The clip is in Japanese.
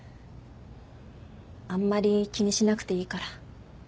あんまり気にしなくていいから。